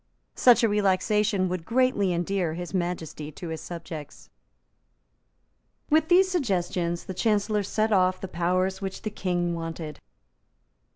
Such a relaxation would greatly endear His Majesty to his subjects. With these suggestions the Chancellor sent off the powers which the King wanted.